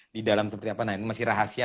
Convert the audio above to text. di dalam seperti apa nah ini masih rahasia